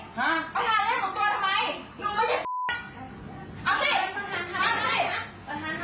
เป็นพนักงานที่นี่ไม่ใช่พี่ค่ะ